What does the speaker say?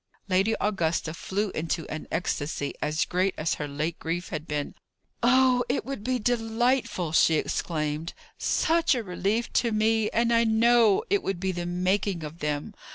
Lady Augusta flew into an ecstasy as great as her late grief had been. "Oh, it would be delightful!" she exclaimed. "Such a relief to me! and I know it would be the making of them.